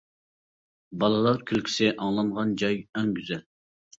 بالىلار كۈلكىسى ئاڭلانغان جاي ئەڭ گۈزەل.